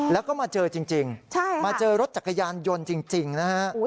แล้วก็มาเจอจริงมาเจอรถจักรยานยนต์จริงนะฮะ